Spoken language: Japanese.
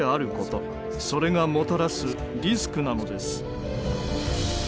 それがもたらすリスクなのです。